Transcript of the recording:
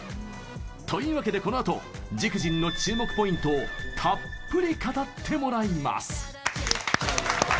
というわけで、このあと「ＪＩＫＪＩＮ」の注目ポイントをたっぷり語ってもらいます。